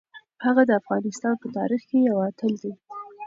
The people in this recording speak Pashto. هغه د افغانستان په تاریخ کې یو اتل دی.